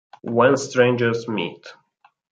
When Strangers Meet